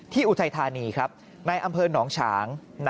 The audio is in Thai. อุทัยธานีครับในอำเภอหนองฉาง